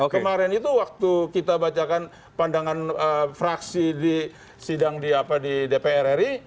kemarin itu waktu kita bacakan pandangan fraksi di sidang di dpr ri